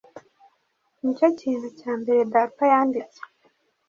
Nicyo kintu cya mbere data yanditse